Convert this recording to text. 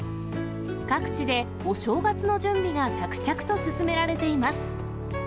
各地でお正月の準備が着々と進められています。